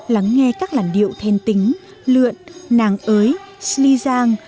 lắng nghe các làn điệu then tính lượn nàng ới sli giang